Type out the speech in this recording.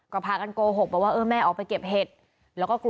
ก็พากันโกหกว่าแม่ออกไปเก็บเห็ด